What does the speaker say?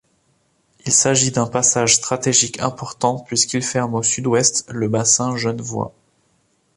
Il s'agit d'un passage stratégique important, puisqu'il ferme au sud-ouest le bassin genevois.